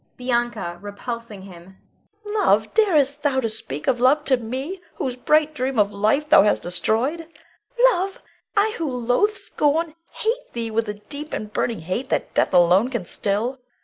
Bianca [repulsing him]. Love! darest thou to speak of love to me, whose bright dream of life thou hast destroyed? Love! I who loathe, scorn, hate thee with a deep and burning hate that death alone can still!